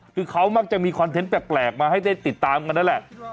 คือเขามักจะมีคอนเทนต์แปลกมาให้ได้ติดตามกันนั่นแหละ